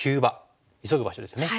急ぐ場所ですね。